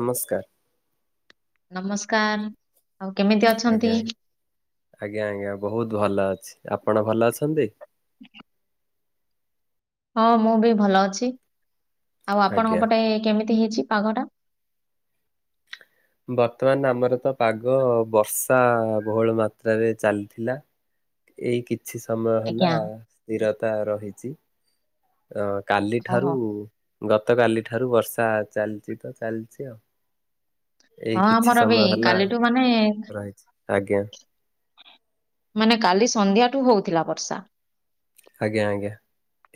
ନମସ୍କାର। ନମସ୍କାର! ଆଉ କେମିତି ଅଛନ୍ତି? ଆଜ୍ଞା ଆଜ୍ଞା ଆଜ୍ଞା ଆଜ୍ଞା, ବହୁତ ଭଲ ଅଛି। ଆପଣ ଭଲ ଅଛନ୍ତି? ହ୍ ହଁ, ମୁଁ ବି ଭଲ ଅଛି। ଆଉ ଆପଣଙ୍କ ଆଜ୍ଞା ପଟେ କେମିତି ହେଇଛି ପାଗଟା? ବର୍ତ୍ତମାନ ଆମର ତ ପାଗ ବର୍ଷା ବହୁଳ ମାତ୍ରାରେ ଚାଲିଥିଲା। ଏଇ କିଛି ସମୟ ହେଲା ଆଜ୍ଞା। ସ୍ଥିରତା ରହିଚି। ଅ କାଲିଠାରୁ, ଓହୋ। ଗତ କା କାଲି ଠାରୁ ବର୍ଷା ଚାଲିଛି ତ ଚାଲିଛି ଆଉ। ଏଇ ହଁ, କିଛି ଆମର ବିଁ ସମୟ ହେଲା କାଲିଠୁ ମାନେ-ଏ। ରହିଛି ଆଜ୍ଞା ମାନେ, କାଲି ସନ୍ଧ୍ୟାଠୁ ହଉଥିଲା ବର୍ଷା। ଆଜ୍ଞା ଆଜ୍ଞା,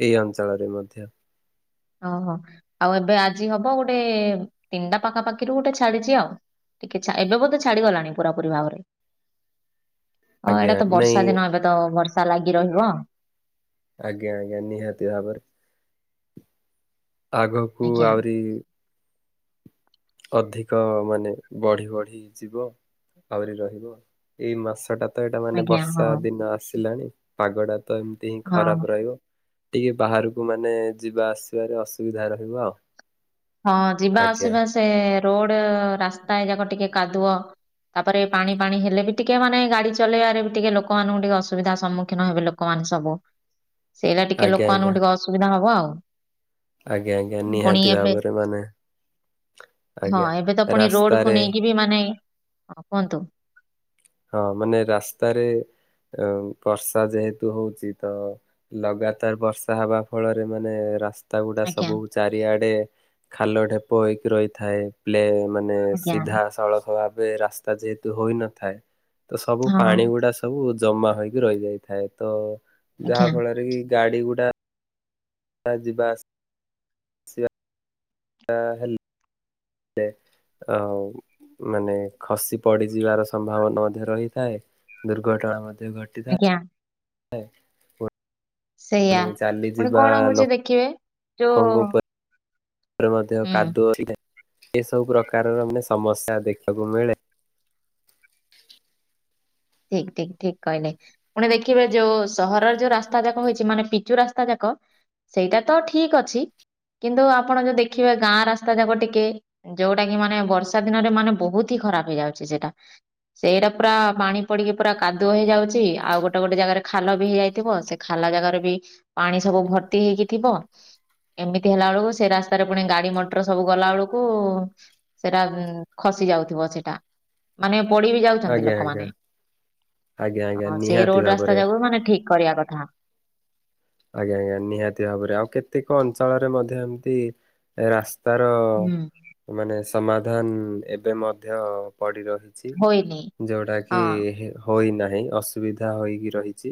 ଏଇ ଅଞ୍ଚଳରେ ମଧ୍ୟ। ଓହୋ! ଆଉ ଏବେ ଆଜି ହବ, ଗୋଟେ-ଏ ତିନିଟା ପାଖାପାଖିରୁ ଗୋଟେ ଛାଡିଛି ଆଉ। ଟିକେ ଛା ଏବେ ବଧେ ଛାଡିଗଲାଣି। ପୁରାପରି ଭାବରେ।। ହଁ, ଆଜ୍ଞା ଏଇଟା ତ ନାଇଁ ବର୍ଷା ଦିନ ଏବେ ତ ବର୍ଷା ଲାଗି ରହିଁବ। ଆଜ୍ଞା ଆଜ୍ଞା, ନିହାତଭାବରେ। ଆଗକୁ ଆଜ୍ଞା ଆହୁରି ଅଧିକ ମାନେ ବଢି ବଢି ଯିବ। ଆହୁରି ରହିବ। ଏଇ ମାସଟା ତ ଏଇଟା ମାନେ ଆଜ୍ଞା ହଁ ବର୍ଷା ଦିନ ଆସିଲାଣି ପାଗଟା ତ ଏମିତି ହିଁ ହଁ। ଖରାପ ରହିବ। ଟିକେ ବାହାରକୁ ମାନେ ଯିବା ଆସିବାରେ ଅସୁବିଧା ରହିବ ଆଉ। ହଁ ଯିବା ଆଜ୍ଞା। ଆସିବା ସେ ରୋଡ ରାସ୍ତା ଏ ଯାକ ଟିକେ କାଦୁଅ ତାପରେ ପାଣି ପାଣି ହେଲେ ବି ଟିକେ ମାନେ ଗାଡି ଚଲେଇବାରେ ବି ଟିକେ ଲୋକମାନଙ୍କୁ ଟିକେ ଅସୁବିଧା ସମ୍ମୁଖୀନ ହେବେ ଲୋକମାନେ ସବୁ ସେଇଟା ଟିକେ ଆଜ୍ଞା ଆଜ୍ଞା ଲୋକମାନଙ୍କୁ ଟିକେ ଅସୁବିଧା ହବ ଆଉ। ଆଜ୍ଞା ଆଜ୍ଞା ପୁଣି ନିହାତି ଏବେ ଭାବରେ ମାନେ ଆଜ୍ଞା ହଁ ଏବେ ତ ପୁଣି ରୋଡକୁୁ ରାସ୍ତାରେ ନେଇକି ବି ମାନେ ହଁ କୁହନ୍ତୁ? ହଁ ମାନେ ରାସ୍ତାରେ ଅ ବର୍ଷା ଯେହେତୁ ହଉଛି ତ ଲଗାତାର ବର୍ଷା ହବା ଫଳରେ ମାନେ ରାସ୍ ତା ଗୁଡା ଆଜ୍ଞା ସବୁ ଚାରିଆଡେ ଖାଲ ଢେପ ହେଇକି ରହିଥାଏ ପ୍ଲେ ମାନେ ଆଜ୍ଞା ସିଧା ସଳଖ ଭାବେ ରାସ୍ତା ଯେହେତୁ ହୋଇନଥାଏ। ତ ସବୁ ହଁ ପାଣି ଗୁଡା ସବୁ ଜମା ହେଇକି ରହିଯାଇଥାଏ ତ ଆଜ୍ଞା ଯାହା ଫଳରେ କି ଗାଡି ଗୁଡା ହଜି ବାସ ହେଲ ଲେ ଆ ମାନେ ଖସି ପଡିଯିବାର ସମ୍ଭାବନା ମଧ୍ୟ ରହିଥାଏ ଦୁର୍ଘଟଣା ମଧ୍ୟ ଘଟିଥା ଆଜ୍ଞା ସେଇଆ ପୁଣି କଣ ହଉଛି ଦେଖିବେ ଯୋଉ ରେ ମଧ୍ୟ ହୁଁ କାଦୁଅ ଏ ସବୁ ପ୍ରକାରର ମାନେ ସମସ୍ୟା ଦେଖିବାକୁ ମିଳେ ଠିକ ଠିକ ଠିକ କହିଲେ ପୁଣି ଦେଖିବେ ଯୋଉ ସହରର ଯୋଉ ରାସ୍ତା ଯାକ ହେଇଛି ମାନେ ପିଚୁ ରାସ୍ତା ଯାକ ସେଇଟା ତ ଠିକ ଅଛି। କିନ୍ତୁ ଆପଣ ଯୋଉ ଦେଖିବେ ଗାଁ ରାସ୍ତା ଯାକ ଟିକେ ଯୋଉଟା କି ମାନେ ବର୍ଷା ଦିନରେ ମାନେ ବହୁତ ହି ଖରାପ ହେଇଯାଉଛି ସେଇଟା ସେଇଟା ପୁରା ପାଣି ପଡିକି ପୁରା କାଦୁ ହେଇଯାଉଛି ଆଉ ଗୋଟେ ଗୋଟେ ଜାଗାରେ ଖାଲ ବି ହେଇଯାଇଥିବ ସେ ଖାଲା ଜାଗାରେ ବି ପାଣି ସବୁ ଭର୍ତ୍ତି ହେଇକି ଥିବ ଏମିତି ହେଲା ବେଳକୁ ସେ ରାସ୍ତାରେ ପୁଣି ଗାଡି ମଟର ସବୁ ଗଲା ବେଳକୁ ସେଟା ଖ ଯାଉଥିବ ସେଇଟା ମାନେ ପଡି ବି ଯାଉଛନ୍ତି ଆଜ୍ଞା ଆଜ୍ଞା ଲୋକମାନେ ଆଜ୍ଞା ଆଜ୍ଞା ହଁ ସେଇ ନିହାତି ରୋଡ ରାସ୍ତା ଭାବରେ ଯା ମାନେ ଠିକ କରିବା କଥା ଆଜ୍ଞା ଆଜ୍ଞା ନିହାତି ଭାବରେ ଆଉ କେତେକ ଅଞ୍ଚଳରେ ମଧ୍ୟ ଏମିତି ରାସ୍ ତାର ହୁଁ ମାନେ ସମାଧାନ ଏବେ ମଧ୍ୟ ପଡି ରହିଛି ହୋଇନି ଯୋଉଟା ହଁ କି ହୋଇ ନାହିଁ ଅସୁବିଧା ହୋଇକି ରହିଛି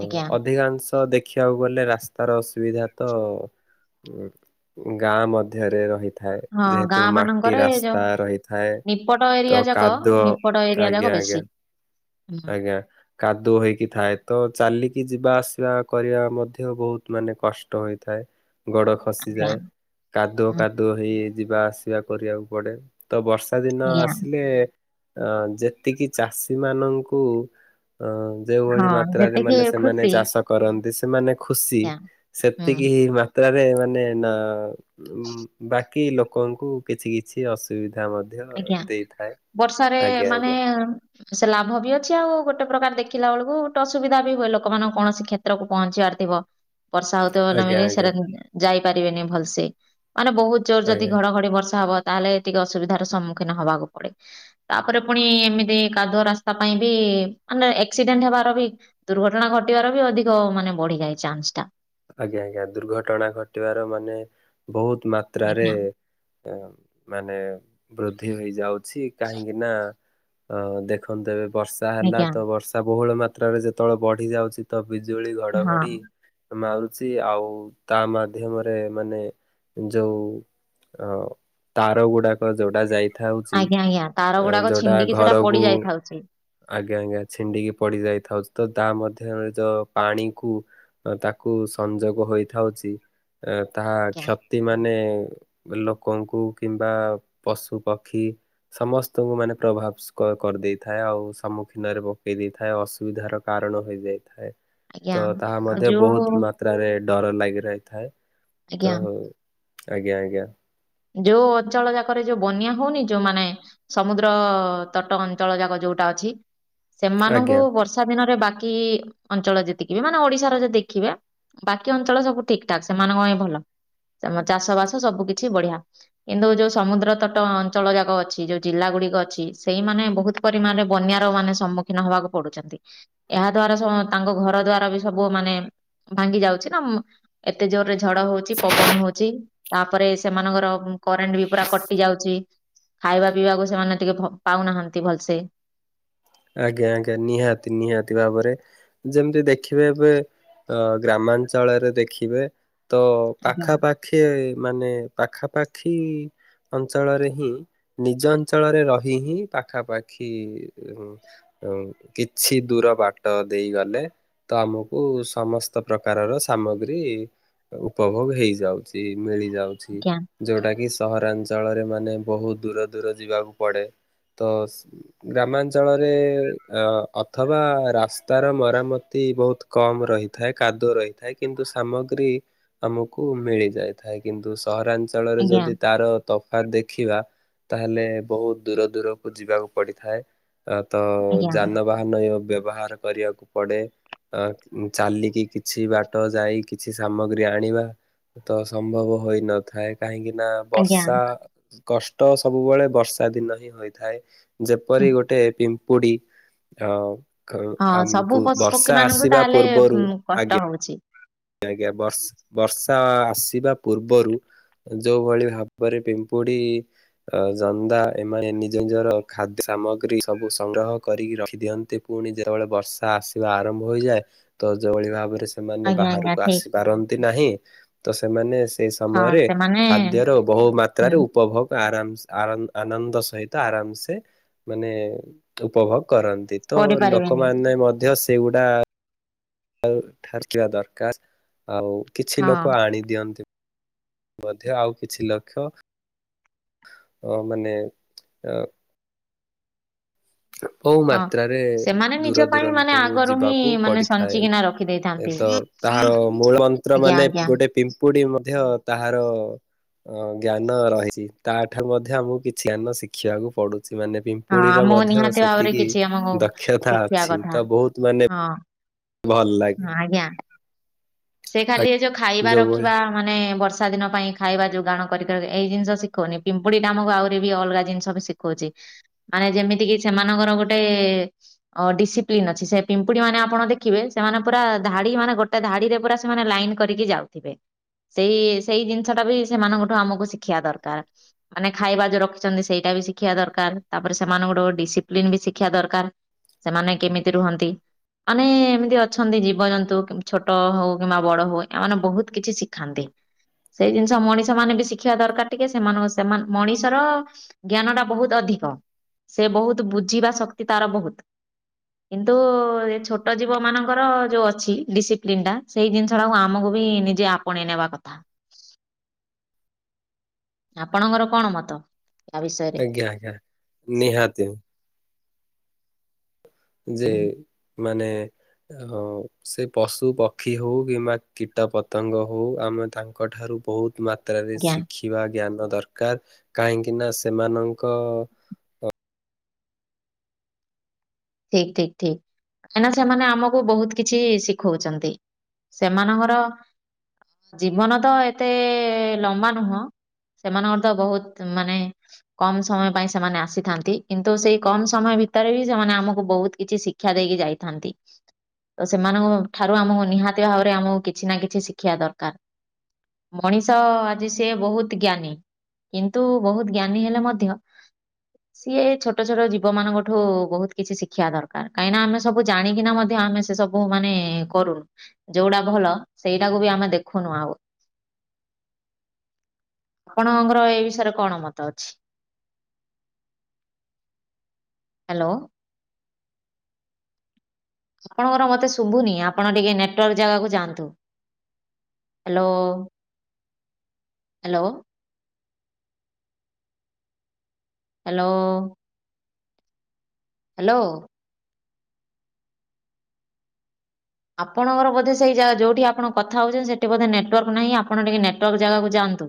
ଆଜ୍ଞା ଅଧିକାଂଶ ଦେଖ ଦେଖିବାକୁ ଗଲେ ରାସ୍ତାର ଅସୁବିଧା ତ ଗାଁ ମଧ୍ୟରେ ରହି ହଁ ଗାଁ ମାନଙ୍କରେ ଯୋଉ ରହିଥାଏ। ନିପଟ ତ ଏରିଆ ଯାକ କାଦୁଅ ନିପଟ ଏରିଆ ଆଜ୍ଞା ଯାକ ଆଜ୍ଞା ବେଶୀ ହ ଆଜ୍ଞା କାଦୁଅ ହେଇକି ଥାଏ ତ ଚାଲି କି ଯିବା ଆସିବା କରିବା ମଧ୍ୟ ବହୁତ ମାନେ କଷ୍ଟ ହେଥାଏ। ଗୋଡ ଆଜ୍ଞା ଖସିଯାଏ କାଦୁଅ ହୁଁ, କାଦୁଅ ହେଇ ଯିବା ଆସିବା କରିବାକୁ ପଡେ ତ ବର୍ଷା ଦିନ ଆଜ୍ଞା ଆସିଲେ ଅ ଯେତିକି ଚାଷୀ ମାନଙ୍କୁ ହ ଯେଉଭଳି ହଁ ମାତ୍ରାରେ ଯେତିକି ମାନେ ସେମାନେ ଖୁସି ଚାଷ କରନ୍ତି ସେମାନେ ଖୁସି ଆଜ୍ଞା। ହୁଁ। ସେତିକି ମାତ୍ରାରେ ମାନେ ନା ବା କି ଲୋକଙ୍କୁ କିଛି କିଛି ଅସୁବିଧା ମଧ୍ୟ ଆଜ୍ଞା ଦେଇଥାଏ। ବର୍ଷାରେ ଆଜ୍ଞା ମାନେ ଆଜ୍ଞା ସେ ଲାଭ ବିୟ ଛି ଆଉ ଗୋଟେ ପ୍ରକାର ଦେଖିଲା ବେଳକୁ ଗୋଟ ଅସୁବିଧା ବି ହୁଏ ଲୋକମାନଙ୍କ କୌଣସି କ୍ଷେତ୍ରକୁ ପହଞ୍ଚିବାର ଥିବ ବର୍ଷା ହଉଥିବ ଆଜ୍ଞା ଭଲମ ଆଜ୍ଞା ସେଟା ଯାଇପାରିବେନି ଭଲସେ ମାନେ ବହୁତୋ ଯଦି ଆଜ୍ଞା ଘଡଘଡି ବର୍ଷା ହବ ତାହେଲେ ଟିକେ ଅସୁବିଧା ସମ୍ମୁଖୀନ ହବାକୁ ପଡେ ତାପରେ ପୁଣି ଏମିତି କାଦୁଆ ରାସ୍ତା ପାଇଁ ବି ମାନେ ଏସିଡେଣ୍ଟ ହେବାର ବି ଦୁର୍ଘଟଣା ଘଟିବାର ବି ଅଧିକ ମାନେ ବଢିଯାଏ ଚାନ୍ସ ଟା ଆଜ୍ଞା ଆଜ୍ଞା ଦୁର୍ଘଟଣା ଘଟିବାର ମାନେ ବହୁତ ମାତ୍ରାରେ ଆଜ୍ଞା ମାନେ ବୃଦ୍ଧି ହେଇଯାଉଛି କାହିଁକି ନା ଅ ଦେଖନ୍ତୁ ଏବେ ବର୍ଷା ହେଲା ଆଜ୍ଞା ତ ବର୍ଷା ବହୁଳ ମାତ୍ରାରେ ଯେତେବେଳେ ବଢି ଯାଉଛି ତ ବିଜୁଳି ହଁ ଘଡଘଡି ମାରୁଛି ଆଉ ତା ମାଧ୍ୟମରେ ମାନେ ଯୋଉ ଅ ତାର ଗୁଡାକ ଯୋଉଟା ଯାଇ ଠା ହୋଉଛି ଆଜ୍ଞା ଆଜ୍ଞା ତାର ଗୁଡାକ ଯୋଉଟା ଛିଣ୍ଡିକି ସେଟା ପଡି ଘରକୁ ଯାଇଥାଉଛି ଆଜ୍ଞା ଆଜ୍ଞା ଛିଣ୍ଡିକି ପଡି ଯାଇଥାଉ ତ ତା ମଧ୍ୟରେ ଯୋଉ ପାଣି କୁ ତାକୁ ସଂଯୋଗ ହୋଇଥାଉଛି ଏ ତାହା ଆଜ୍ଞା କ୍ଷତି ମାନେ ଲୋକଙ୍କୁ କିମ୍ବା ପଶୁ ପକ୍ଷୀ ସମସ୍ତଙ୍କୁ ମାନେ ପ୍ରଭାବ କରିଦେଇଥାଏ। ଆଉ ସମ୍ମୁଖୀନରେ ପକେଇ ଦେଇଥାଏ ଅସୁବିଧାର କାରଣ ହେଇଯାଇଥାଏ। ଆଜ୍ଞା ତ ତାହା ଆଉ ମଧ୍ୟ ବହୁତ ଯୋଉ ମାତ୍ରାରେ ଡର ଲାଗି ରହିଥାଏ। ତ ଆଜ୍ଞା ଆଜ୍ଞା ଆଜ୍ଞା ଯୋଉ ଅଞ୍ଚଳ ଯାକରେ ଯୋଉ ବନ୍ୟା ହଉନି ଯୋଉ ମାନେ ସମୁଦ୍ର ତଟ ଅଞ୍ଚଳ ଯାକ ଯୋଉ ଅଛି ଆଜ୍ଞା। ସେମାନଙ୍କୁ ବର୍ଷା ଦିନରେ ବାକି ବାକି ଅଞ୍ଚଳ ଯେତିକିବି ମାନେ ଓଡିଶାର ଯଦି ଦେଖିବେ ବାକି ଅଞ୍ଚଳ ସବୁ ଠିକ ଠାକ ସେମାନଙ୍କ ପାଇଁ ଭଲ। ଚମ ଚାଷ ବାସ ସବୁ କିଛି ବଢିଆ। କିନ୍ତୁ ଯୋଉ ସମୁଦ୍ର ତଟ ଅଞ୍ଚଳ ଯାକ ଅଛି ଯୋଉ ଜିଲ୍ଲା ଗୁଡିକ ଅଛି ସେଇମାନେ ବହୁତ ପରିମାଣରେ ବନ୍ୟାର ମାନେ ସମ୍ମୁଖୀନ ହବାକୁ ପଡୁଛନ୍ତି। ଏହା ଦ୍ଵାରା ତାଙ୍କ ଘର ଦ୍ଵାର ବି ସବୁମାନେ ଭାଙ୍ଗି ଯାଉଛି ନା ଏତେ ଜୋରରେ ଝଡ ହଉଛି ପବନ ହଉଛି ତାପରେ ସେମାନଙ୍କର କରେଣ୍ଟ ବି ପୁରା କଟି ଯାଉଛି। ଖାଇବା ପିଇବାକୁ ସେମାନେ ଟିକେ ଭ ପାଉନାହାନ୍ତି ଭଲସେ। ଆଜ୍ଞା ଆଜ୍ଞା ନିହାତି ନିହାତି ଭାବରେ ଯେମିତି ଦେଖିବେ ଏବେ ଅ ଗ୍ରାମାଞ୍ଚଳରେ ଦେଖିବେ ତ ଆଜ୍ଞା ପାଖାପାଖି ମାନେ ପାଖାପାଖି ଅଞ୍ଚଳରେ ହିଁ ନିଜ ଅଞ୍ଚଳରେ ରହି ହିଁ ପାଖାପାଖି କିଛି ଦୂର ବାଟ ଦେଇ ଗଲେ ତ ଆମକୁ ସମସ୍ତ ପ୍ରକାର ର ସାମଗ୍ରୀ ଉପଭୋଗ ହେଇଯାଉଛି ମିଳିଯାଉଛି ଆଜ୍ଞା ଯୋଉଟା କି ସହରାଞ୍ଚଳରେ ମାନେ ବହୁତ ଦୂର ଦୂର ଯିବାକୁ ପଡ଼େ ତ ଗ୍ରାମାଞ୍ଚଳରେ ଅ ଅଥବା ରାସ୍ତା ର ମରାମତି ବହୁତ କମ ରହିଥାଏ। କାଦୁଅ ରହିଥାଏ। କିନ୍ତୁ ସାମଗ୍ରୀ ଆମକୁ ମିଳି ଯାଇଥାଏ କିନ୍ତୁ ସହରାଞ୍ଚଳରେ ଆଜ୍ଞା ଯଦି ତାର ତଫାତ ଦେଖିବା ତାହେଲେ ବହୁତ ଦୂର ଦୂରକୁ ଯିବାକୁ ପଡିଥାଏ। ତ ଆଜ୍ଞା ଯାନବାହାନ ବ୍ୟବହାର କରିବାକୁ ପଡେ। ଅ ଚାଲିକି କିଛି ବାଟ ଯାଇ କିଛି ସାମଗ୍ରୀ ଆଣିବା। ତ ସମ୍ଭବ ହୋଇନଥାଏ କାହିଁକି ନା ଆଜ୍ଞା। ବର୍ଷା କଷ୍ଟ ସବୁବେଳେ ବର୍ଷା ଦିନ ହିଁ ହୋଇଥାଏ। ଯେପରି ଗୋଟେ ପିମ୍ପୁଡି ଆ କ ହଁ ଆମ ସବୁ ପଶୁ ପକ୍ଷୀ ପବ୍ବର୍ଷା ମାନଙ୍କୁ ଆସିବା ତାହେଲେ ପୂର୍ବରୁ କଷ୍ଟ ଆଜ୍ଞା। ହଉଛି। ଆ ବଷ ବର୍ଷା ଆସିବା ପୂର୍ବରୁ ଯୋଉ ଭଳି ଭାବରେ ପିମ୍ପୁଡି ଅ ଜନ୍ଦା ଏମାନେ ନିଜ ନିଜର ଖାଦ୍ୟ ସାମଗ୍ରୀ ସବୁ ସଂଗ୍ରହ କରିକି ରଖି ଦିଅନ୍ତି। ପୁଣି ଯେତେବେଳେ ବର୍ଷା ଆସିବା ଆରମ୍ଭ ହୋଇଯାଏ ତ ଯୋଉ ଭଳି ଭାବରେ ସ ଆଜ୍ଞା ଆଜ୍ଞା ବାହାରକୁ ଠିକ ଆସିପାରନ୍ତି ନାହିଁ ତ ସେମାନେ ସେ ହଁ ସମୟରେ ସେମାନେ ଖାଦ୍ୟର ବହୁ ମାତ୍ରାରେ ହୁଁ ଉପଭୋଗ ଆରମ୍ଭ ଆର ଆନନ୍ଦ ସହିତ ଆରାମସେ ମାନେ ଉପଭୋଗ କରନ୍ତି ତ କରିପାରିବେନି ଲୋକମାନେ ମଧ୍ୟ ସେଗୁଡା ଆଉ ଠାରୁଥିବା ଦରକାର ଆଉ କିଛି ହଁ ଲୋକ ଆଣି ଦିଅନ୍ତି। ମଧ୍ୟ ଆଉ କିଛି ଲକ୍ଷ୍ୟ ମାନେ ଓଉ ହଁ। ମାତ୍ରାରେ ସେମାନେ ନିଜ ଦୂର ପାଇଁ ମାନେ ଦୂରନ୍ତକୁ ଆଗରୁ ହିଁ ଯିବାକୁ ମାନେ ପଡିଥାଏ ସଞ୍ଚିକିନା ରଖି ଦେଇଥାନ୍ତି ଏତ ତାହାର ମୂଳ ମନ୍ତ୍ର ଆଜ୍ଞା ମାନେ ଆଜ୍ଞା। ଗୋଟେ ପିମ୍ପୁଡି ମଧ୍ୟ ତାହାର ଅଁ ଜ୍ଞାନ ରହିଛି ତା ଠାରୁ ମଧ୍ୟ ଆମକୁ କିଛି ଜ୍ଞାନ ଶିଖିବାକୁ ପଡୁ ଛି ମାନେ ହଁ ପିମ୍ପୁଡ଼ିର ଆମକୁ ମଧ୍ୟ ନିହାତି ଭାବରେ ସେତିକି କିଛି ଆମକୁ ଦକ୍ଷତା ଶିଖିବା ଅଛି କଥା ତ ବହୁତ ମାନେ ହଁ ଭଲ ହଁ ଲାଗେ। ଆଜ୍ଞା। ସେ ଖାଲି ଏ ଯୋଉ ଖାଇବା ଯୋଉଭଳି ରଖିବା ମାନେ ବର୍ଷା ବର୍ଷା ଦିନ ପାଇଁ ଖାଇବା ଯୋଗାଣ କରିକ ଏଇ ଜିନିଷ ଶିଖଉନି ପିମ୍ପୁଡି ଟା ଆମକୁ ଆହୁରି ବି ଅଲଗା ଜିନିଷବି ଶିଖଉଛି ମାନେ ଯେମିତି କି ସେମାନଙ୍କର ଗୋଟେ ଅ ଡିସିପ୍ଲିନ ଅଛି, ସେ ପିମ୍ପୁଡି ମାନେ ଆପଣ ଦେଖି ଦେଖିବେ ସେମାନେ ପୁରା ଧାଡି ମାନେ ଗୋଟେ ଧାଡିରେ ପୁରା ସେମାନେ ଲାଇନ୍ କରିକି ଯାଉଥିବେ ସେଇ ସେଇ ଜିନିଷ ଟା ବି ସେମାନଙ୍କଠୁ ଆମକୁ ଶିଖିବା ଦରକାର ମାନେ ଖାଇବା ଯୋଉ ରଖିଛନ୍ତି ସେଇଟା ଟାବି ଶିଖିବା ଦରକାର ତାପରେ ସେମାନଙ୍କଠୁ ଡିସିପ୍ଲିନ ବି ଶିଖିବା ଦରକାର। ସେମାନେ କେମିତି ରୁହନ୍ତି, ମାନେ ଏମିତି ଅଛନ୍ତି ଜୀବଜନ୍ତୁ କି ଛୋଟ ହଉ କିମ୍ବା ବଡ ହୁଏ ଏମାନେ ବହୁତ କିଛି ଶିଖାନ୍ତି। ସେଇ ଜିନିଷ ମଣିଷ ମାନେ ବି ଶିଖିବା ଦରକାର ଟିକେ ସେମାନଙ୍କ ସେମା ମଣିଷର ଜ୍ଞାନ ଟା ବହୁତ ଅଧିକ ଧିକ ସେ ବହୁତ ବୁଝିବା ଶକ୍ତି ତାର ବହୁତ କିନ୍ତୁ ଏ ଛୋଟ ଜୀବ ମାନଙ୍କର ଯୋଉ ଅଛି ଡିସିପ୍ଲିନ ଟା ସେଇ ଜିନିଷ ଟାକୁ ଆମକୁ ବି ନିଜେ ଆପଣେଇ ନେବା କଥା। ଆପଣଙ୍କର କଣ ମତ? ୟା ବିଷୟରେ? ଆଜ୍ଞା ଆଜ୍ଞା ନିହାତି। ଯେ ମାନେ ହଁ ସେ ପଶୁ ପକ୍ଷୀ ହଉ କିମ୍ବା କୀଟ ପତଙ୍ଗ ହଉ ଆମେ ତାଙ୍କ ଠାରୁ ବହୁତ ମା ତ୍ରାରେ ଆଜ୍ଞା ଶିଖିବା ଜ୍ଞାନ ଦରକାର କାହିଁକି ନା ସେମାନଙ୍କ ଠିକ୍ ଠିକ୍ ଠିକ୍ କାଇଁନା ସେମାନେ ଆମକୁ ବହୁତ କିଛି ଶିଖଉଛନ୍ତି। ସେମାନଙ୍କର ଜୀବନ ତ ଏତେ ଲମ୍ବା ନୁହଁ। ସେମାନଙ୍କର ତ ବହୁତ ମାନେ କମ ସମୟ ପାଇଁ ସେମାନେ ଆସିଥାନ୍ତି କିନ୍ତୁ ସେଇ କମ ସମୟ ଭିତରେ ବି ସେମାନେ ଆମକୁ ବହୁତ କିଛି ଶିକ୍ଷା ଦେଇକି ଯାଇଥାନ୍ତି। ତ ସେମାନଙ୍କ ଠାରୁ ଆମକୁ ନିହାତି ଭାବରେ ଆମକୁ କିଛି ନା କିଛି ଶିଖିବା ଦରକାର। ମଣିଷ ଆଜି ସେ ବହୁତ ଜ୍ଞାନୀ। କିନ୍ତୁ ବହୁତ ଜ୍ଞାନୀ ହେଲେ ମଧ୍ୟ ସିଏ ଛୋଟ ଛୋଟ ଜୀବ ମାନଙ୍କଠୁ ବହୁତୁ କିଛି ଶିଖିବା ଦରକାର କାହିଁକିନା ଆମେ ସବୁ ଜାଣିକିନା ମଧ୍ୟ ଆମେ ସେ ସବୁ ମାନେ କରୁନୁ ଯୋଉଡାଭ ଭଲ ସେଇଟାକୁ ବି ଆମେ ଦେଖୁନୁ ଆଉ। ଆପଣଙ୍କର ଏଇ ବିଷୟରେ କଣ ମତ ଅଛି? ହାଲୋ। ଆପଣଙ୍କର ମତେ ଶୁଭୁନି ଆପଣ ଟିକେ ନେଟୱାର୍କ ଜାଗାକୁ ଯାଆନ୍ତୁ। Hello hello. ହାଲୋ। ହାଲୋ। ଆପଣଙ୍କର ବୋଧ ସେଇଜାଗା ଯଉଠି ଆପଣ କଥାହଉଛନ୍ତି ସେଠିବୋଧେ ନେଟୱାର୍କ ନାହିଁ ଆପଣ ଟିକେଟୱାର୍କ ଜାଗାକୁ ଯାଆ ନ୍ତୁ।